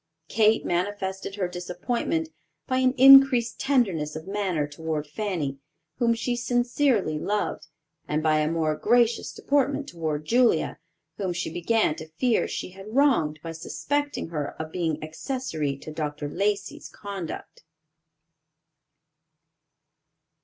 Kate manifested her disappointment by an increased tenderness of manner toward Fanny, whom she sincerely loved, and by a more gracious deportment toward Julia, whom she began to fear she had wronged by suspecting her of being accessory to Dr. Lacey's conduct.